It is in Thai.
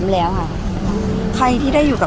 ภาษาสนิทยาลัยสุดท้าย